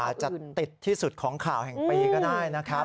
อาจจะติดที่สุดของข่าวแห่งปีก็ได้นะครับ